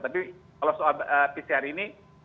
tapi kalau soal pcr ini